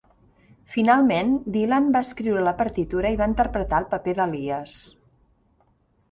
Finalment Dylan va escriure la partitura i va interpretar el paper d'"Alias".